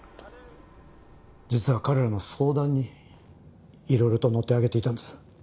実は彼らの相談にいろいろと乗ってあげていたんです。